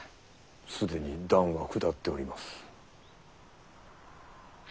既に断は下っております。